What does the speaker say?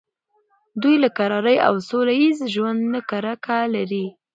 دوی له کرارۍ او سوله ایز ژوند نه کرکه لري.